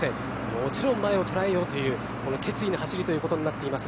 もちろん前を捉えようというこの決意の走りということになっていますが。